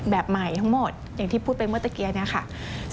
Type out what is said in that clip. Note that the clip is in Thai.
แบบใหม่ทั้งหมดอย่างที่พูดไปเมื่อเมื่อกี้